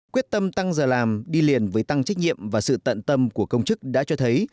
quyết tâm tăng giờ làm đi liền với tăng trách nhiệm và sự tận tâm của công chức đã cho thấy